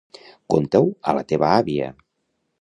Conta-ho a la teva àvia!